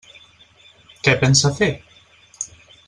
Què pensa fer?